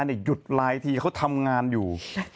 หยุดไลน์ทีเขาทำงานอยู่